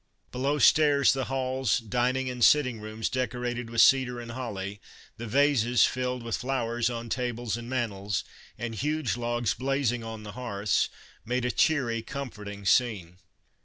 Below stairs the halls, dining and sitting rooms decorated with cedar and holly, the vases filled with flowers on tables and mantels, and huge logs blazing on the hearths, made a cheery, comforting scene.